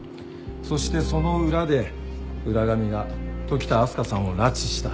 そしてその裏で浦上が時田明日香さんを拉致した。